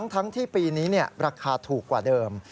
ทั้งที่ปีนี้ราคาถูกกว่าเดิม